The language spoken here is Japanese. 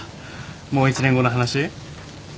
もう１年後の話？